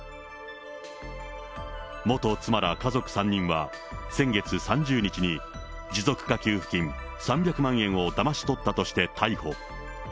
元妻ら家族３人は、先月３０日に、持続化給付金３００万円をだまし取ったとして逮捕。